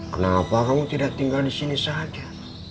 kenapa kamu tidak tinggal disini saja